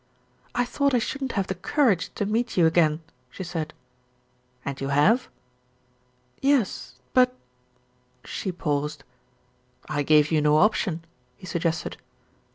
"I thought I shouldn't have the courage to meet you again," she said. "And you have?" "Yes; but" She paused. "I gave you no option," he suggested.